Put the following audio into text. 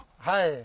はい。